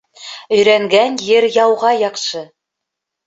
Өйрәнгән ер яуға яҡшы.